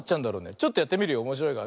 ちょっとやってみるよおもしろいから。